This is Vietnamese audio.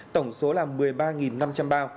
tổng số là một mươi ba năm trăm linh bao